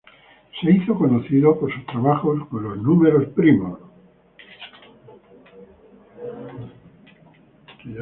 Se hizo conocido por sus trabajos con números primos.